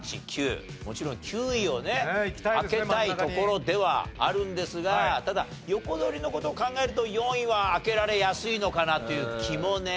もちろん９位をね開けたいところではあるんですがただ横取りの事を考えると４位は開けられやすいのかなという気もね。